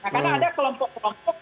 karena ada kelompok kelompok